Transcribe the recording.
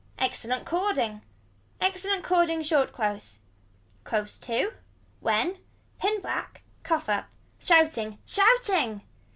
Excellent cording. Excellent cording short close. Close to. When. Pin black. Cough or up. Shouting. Shouting.